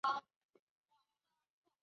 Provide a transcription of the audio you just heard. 雍正朝状元彭启丰的女婿。